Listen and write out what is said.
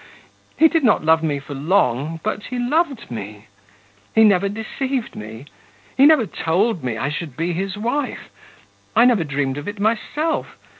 He did not love me for long, but he loved me! He never deceived me, he never told me I should be his wife; I never dreamed of it myself.